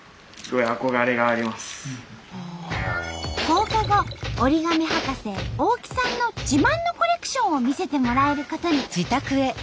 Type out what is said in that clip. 放課後折り紙博士大木さんの自慢のコレクションを見せてもらえることに。